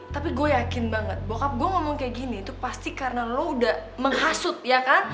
tapi gue yakin banget bahwa up gue ngomong kayak gini itu pasti karena lo udah menghasut ya kan